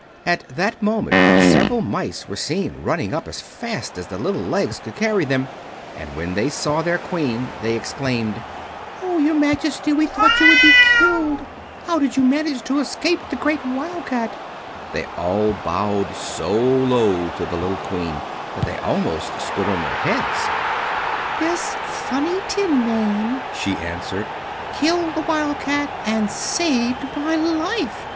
At that moment several mice were seen running up as fast as their little legs could carry them, and when they saw their Queen they exclaimed: "Oh, your Majesty, we thought you would be killed! How did you manage to escape the great Wildcat?" They all bowed so low to the little Queen that they almost stood upon their heads. "This funny tin man," she answered, "killed the Wildcat and saved my life.